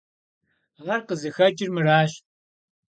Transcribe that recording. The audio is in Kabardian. Ar khızıxeç'ır mıraş.